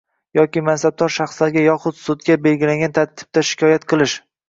yoki mansabdor shaxslarga yoxud sudga belgilangan tartibda shikoyat qilish;